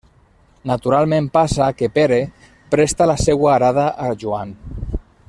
Naturalment passa que Pere presta la seua arada a Joan.